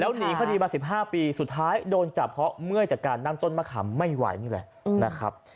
หนีคดีมา๑๕ปีสุดท้ายโดนจับเพราะเมื่อยจากการนั่งต้นมะขามไม่ไหวนี่แหละนะครับ